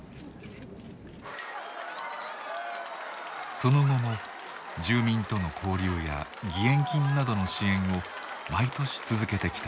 その後も住民との交流や義援金などの支援を毎年続けてきた。